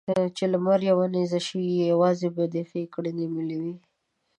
چې لمر يوه نېزه شي؛ يوازې به دې ښې کړنې ملې وي.